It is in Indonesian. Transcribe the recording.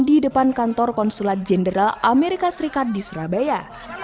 di depan kantor konsulat jenderal amerika serikat di surabaya